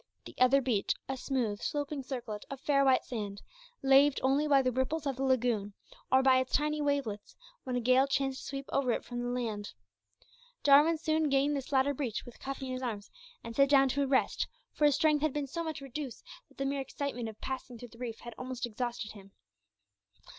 The other beach, a smooth, sloping circlet of fair white sand, laved only by the ripples of the lagoon, or by its tiny wavelets, when a gale chanced to sweep over it from the land. Jarwin soon gained this latter beach with Cuffy in his arms, and sat down to rest, for his strength had been so much reduced that the mere excitement of passing through the reef had almost exhausted him.